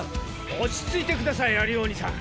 落ち着いてくださいアリオーニさん。